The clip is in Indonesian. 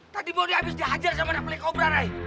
tadi mohon dirai habis dihajar sama dapeli kobra ray